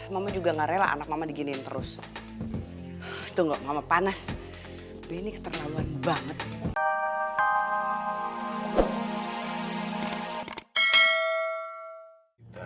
mama juga gak rela anak mama diginiin terus tunggu mama panas benny keternangan banget